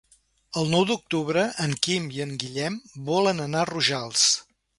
El nou d'octubre en Quim i en Guillem volen anar a Rojals.